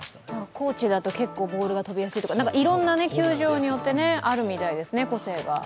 高地だとボールが飛びやすいとかいろんな球場によって個性があるみたいですね。